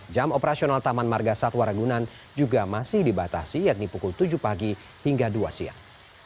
jam operasional taman marga satwa ragunan juga masih dibatasi yakni pukul tujuh pagi hingga dua siang